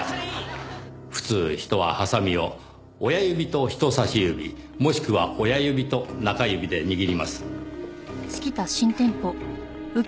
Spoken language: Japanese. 普通人はハサミを親指と人さし指もしくは親指と中指で握ります。